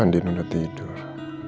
andien udah tidur